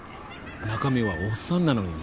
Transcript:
中身はおっさんなのにね。